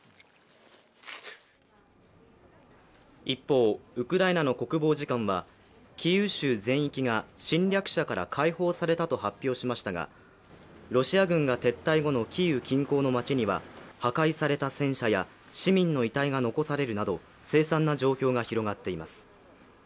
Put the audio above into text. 一方、ウクライナの国防次官はキーウ州全域が侵略者から解放されたと発表しましたがロシア軍が撤退後のキーウ近郊の街には、破壊された戦車や、市民の遺体が残されるなどせい惨な状況が広がっています。